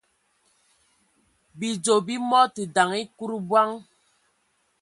Bidzɔ bi mɔ tə daŋ ekud bɔŋ.